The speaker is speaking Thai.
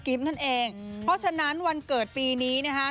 เพราะฉะนั้นวันเกิดปีนี้นะครับ